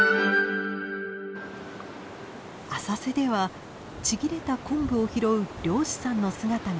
浅瀬ではちぎれたコンブを拾う漁師さんの姿が。